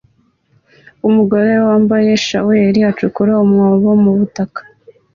Umugore wambaye shaweli acukura umwobo mu butaka